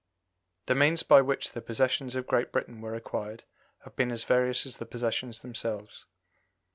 " The means by which the possessions of Great Britain were acquired have been as various as the possessions themselves.